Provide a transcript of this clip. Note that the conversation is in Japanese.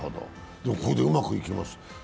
でもこれでうまくいきました。